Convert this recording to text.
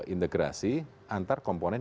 integrasi antar komponen